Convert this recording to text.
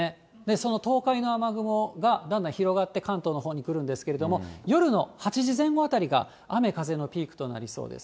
その東海の雨雲が、だんだん広がって、関東のほうに来るんですけれども、夜の８時前後あたりが、雨、風のピークとなりそうです。